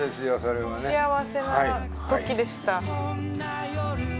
幸せな時でした。